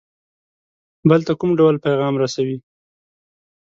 بل ته کوم ډول پیغام رسوي.